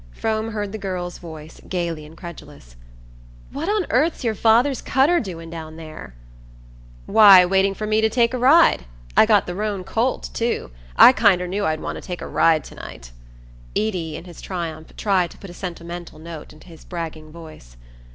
Frome heard the girl's voice, gaily incredulous: "What on earth's your father's cutter doin' down there?" "Why, waiting for me to take a ride. I got the roan colt too. I kinder knew I'd want to take a ride to night," Eady, in his triumph, tried to put a sentimental note into his bragging voice.